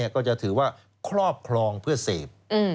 ก็จะถือว่าครอบครองเพื่อเสพ